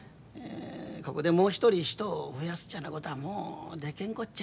ここでもう一人人を増やすちゅうようなことはもうでけんこっちゃ。